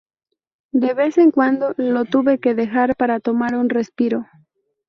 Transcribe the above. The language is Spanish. De vez en cuando, lo tuve que dejar para tomar un respiro.